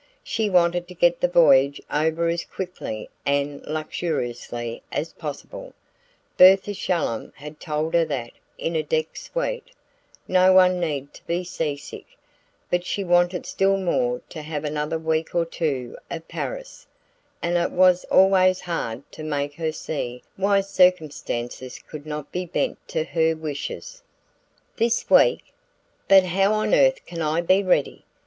She wanted to get the voyage over as quickly and luxuriously as possible Bertha Shallum had told her that in a "deck suite" no one need be sea sick but she wanted still more to have another week or two of Paris; and it was always hard to make her see why circumstances could not be bent to her wishes. "This week? But how on earth can I be ready?